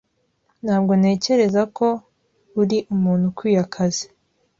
Ntabwo ntekereza ko uri umuntu ukwiye akazi.